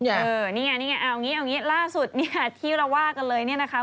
เออนี่ไงเอาอย่างนี้ล่าสุดที่เราว่ากันเลยเนี่ยนะคะ